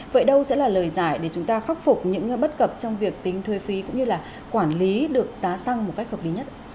vậy đâu sẽ là lời giải để chúng ta khắc phục những bất cập trong việc tính thuê phí cũng như là quản lý được giá xăng một cách hợp lý nhất